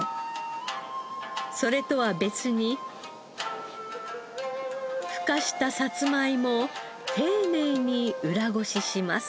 それとは別にふかしたさつまいもを丁寧に裏ごしします。